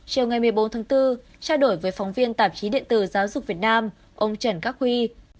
chiều ngày một mươi bốn tháng bốn trao đổi với phóng viên tạp chí điện tử giáo dục việt nam ông trần các huy